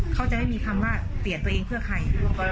เขาจะไม่มีคำว่าเปลี่ยนตัวเองเพื่อใคร